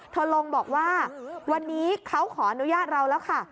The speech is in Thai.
ลงบอกว่าวันนี้เขาขออนุญาตเราแล้วค่ะ